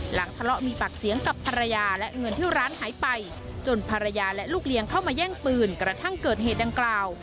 ทะเลาะมีปากเสียงกับภรรยาและเงินที่ร้านหายไปจนภรรยาและลูกเลี้ยงเข้ามาแย่งปืนกระทั่งเกิดเหตุดังกล่าว